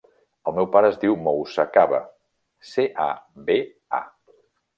El meu pare es diu Moussa Caba: ce, a, be, a.